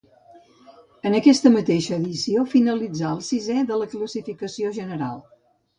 En aquesta mateixa edició finalitzà el sisè de la classificació general.